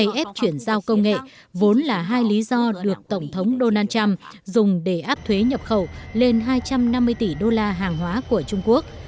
af chuyển giao công nghệ vốn là hai lý do được tổng thống donald trump dùng để áp thuế nhập khẩu lên hai trăm năm mươi tỷ đô la hàng hóa của trung quốc